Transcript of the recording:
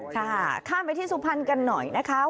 ค่ะข้ามไปที่สุพรรณกันหน่อยนะคะ